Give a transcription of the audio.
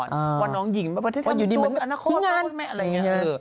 ว่าน้องหญิงประเทศอันตรีจูบอนาคตอะไรอย่างนี้